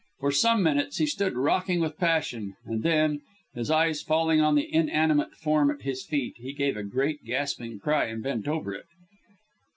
For some minutes he stood rocking with passion, and then, his eyes falling on the inanimate form at his feet, he gave a great gasping cry and bent over it.